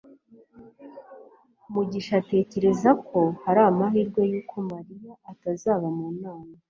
mugisha atekereza ko hari amahirwe yuko mariya atazaba mu nama